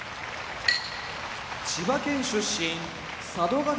千葉県出身佐渡ヶ